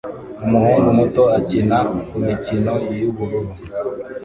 Umuhungu muto akina kumikino yubururu